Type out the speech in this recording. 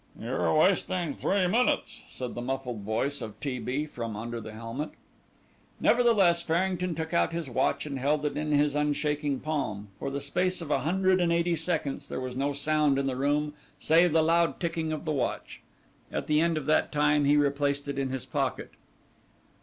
"You are wasting three minutes," said the muffled voice of T. B. from under the helmet. Nevertheless Farrington took out his watch and held it in his unshaking palm; for the space of a hundred and eighty seconds there was no sound in the room save the loud ticking of the watch. At the end of that time he replaced it in his pocket.